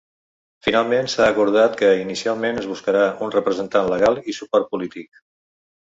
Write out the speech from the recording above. Finalment s’ha acordat que, inicialment, es buscarà un representant legal i suport polític.